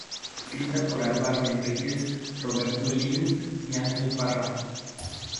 Escrita por Alvaro Henriquez, Roberto Lindl y Ángel Parra.